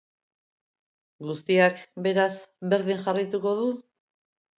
Guztiak, beraz, berdin jarraituko du?